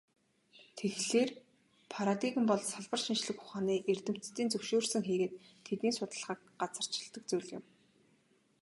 Тэгэхлээр, парадигм бол салбар шинжлэх ухааны эрдэмтдийн зөвшөөрсөн хийгээд тэдний судалгааг газарчилдаг зүйл юм.